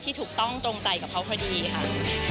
ถูกต้องตรงใจกับเขาพอดีค่ะ